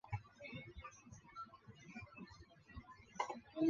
兴农牛队对此公开声明表示不干涉叶君璋加盟其他球队。